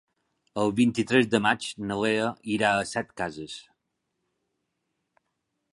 El vint-i-tres de maig na Lea irà a Setcases.